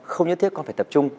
không nhất thiết con phải tập trung